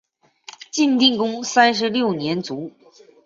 晋定公三十六年卒。